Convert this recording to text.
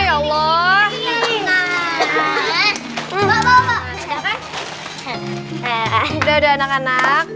udah udah anak anak